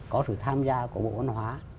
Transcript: có sự tham gia của bộ văn hóa